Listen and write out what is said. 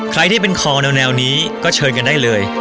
ใครที่เป็นคอแนวนี้ก็เชิญกันได้เลย